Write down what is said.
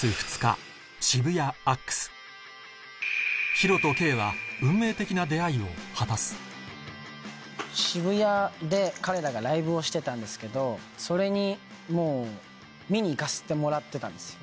ＨｉｒｏとＫはを果たす渋谷で彼らがライブをしてたんですけどそれに見に行かせてもらってたんですよ。